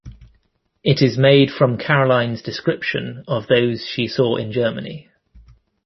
It is made from Caroline's description of those she saw in Germany.